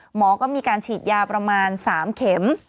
หมอก็มีการฉีดยาประมาณ๓เข็ม